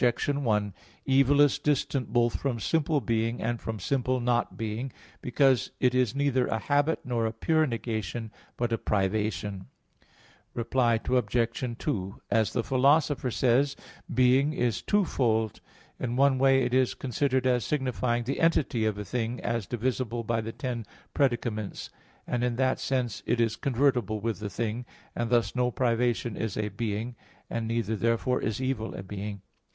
1: Evil is distant both from simple being and from simple "not being," because it is neither a habit nor a pure negation, but a privation. Reply Obj. 2: As the Philosopher says (Metaph. v, text 14), being is twofold. In one way it is considered as signifying the entity of a thing, as divisible by the ten "predicaments"; and in that sense it is convertible with thing, and thus no privation is a being, and neither therefore is evil a being.